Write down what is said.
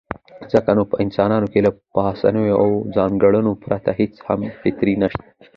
ځکه نو په انسانانو کې له پاسنيو اووو ځانګړنو پرته هېڅ هم فطري نشته.